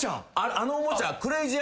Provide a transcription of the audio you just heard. あのおもちゃ。